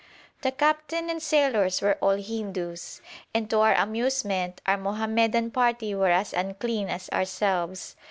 The captain and sailors were all Hindoos, and to our amusement our Mohammedan party were as unclean as ourselves.